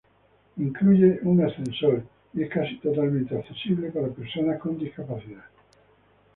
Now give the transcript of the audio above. Incluye un ascensor, y es casi totalmente accesible para personas con discapacidad.